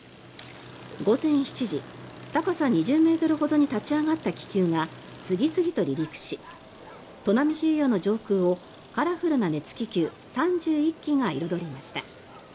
午前７時、高さ２０ｍほどに立ち上がった気球が次々と離陸し砺波平野の上空をカラフルな熱気球３１機が彩りました。